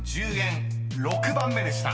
［６番目でした］